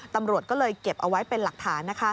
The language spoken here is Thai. ตำรวจก็เลยเก็บเอาไว้เป็นหลักฐานนะคะ